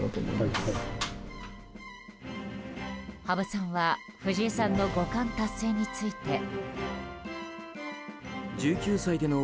羽生さんは藤井さんの五冠達成について。